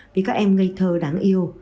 vì các em ngây thơ đáng yêu